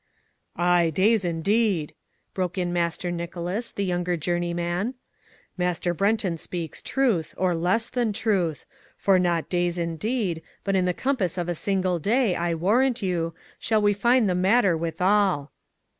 "Ay, days indeed!" broke in Master Nicholas, the younger journeyman. "Master Brenton speaks truth, or less than truth. For not days indeed, but in the compass of a single day, I warrant you, shall we find the matter withal."